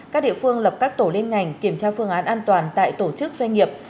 các địa phương lập các tổ liên ngành kiểm tra phương án an toàn tại tổ chức doanh nghiệp